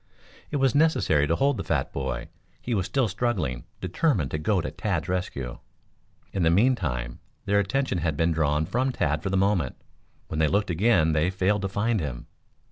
It was necessary to hold the fat boy. He was still struggling, determined to go to Tad's rescue. In the meantime their attention had been drawn from Tad for the moment. When they looked again they failed to find him.